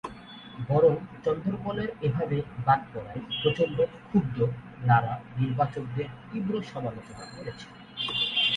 বরং চন্দরপলের এভাবে বাদ পড়ায় প্রচণ্ড ক্ষুব্ধ লারা নির্বাচকদের তীব্র সমালোচনা করেছেন।